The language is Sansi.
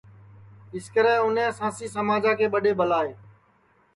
سکرے اُنیں سانسی سماجا کے ٻڈؔے ٻلائے